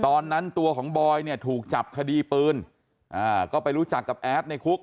ตอนนั้นตัวของบอยเนี่ยถูกจับคดีปืนอ่าก็ไปรู้จักกับแอดในคุก